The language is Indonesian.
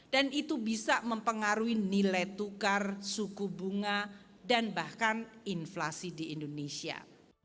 dan itu bisa mempengaruhi nilai tukar suku bunga dan bahkan inflasi di indonesia